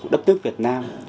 đất nước việt nam